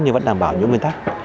nhưng vẫn đảm bảo những nguyên tắc